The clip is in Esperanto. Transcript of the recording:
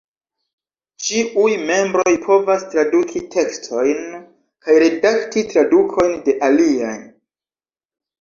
Ĉiuj membroj povas traduki tekstojn kaj redakti tradukojn de aliaj.